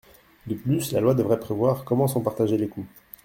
De plus, la loi devrait prévoir comment sont partagés les coûts.